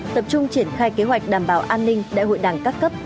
tập trung triển khai kế hoạch đảm bảo an ninh đại hội đảng các cấp